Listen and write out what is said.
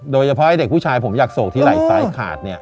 โดยเฉพาะเด็กผู้ชายผมอยากโศกที่ไหล่ซ้ายขาดเนี่ย